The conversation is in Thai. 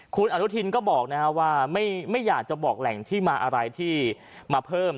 คุณอนุทินก็บอกว่าไม่อยากจะบอกแหล่งที่มาอะไรที่มาเพิ่ม